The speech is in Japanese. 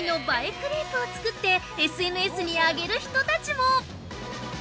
クレープを作って、ＳＮＳに上げる人たちも。